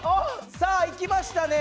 さあいきましたね。